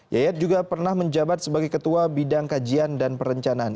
yayat juga pernah menjabat sebagai ketua bidang kajian dan perencanaan